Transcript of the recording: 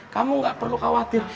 kamu gak perlu khawatir